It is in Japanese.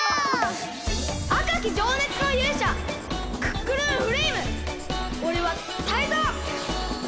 あかきじょうねつのゆうしゃクックルンフレイムおれはタイゾウ！